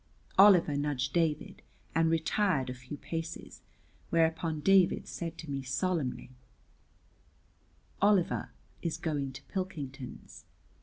Oliver nudged David and retired a few paces, whereupon David said to me solemnly, "Oliver is going to Pilkington's."